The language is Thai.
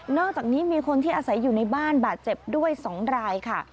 อกจากนี้มีคนที่อาศัยอยู่ในบ้านบาดเจ็บด้วย๒รายค่ะ